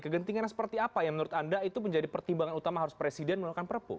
kegentingan seperti apa yang menurut anda itu menjadi pertimbangan utama harus presiden melakukan perpu